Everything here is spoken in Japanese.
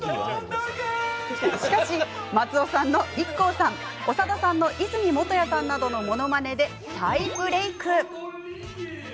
しかし、松尾さんのＩＫＫＯさん長田さんの和泉元彌さんなどのものまねで再ブレーク。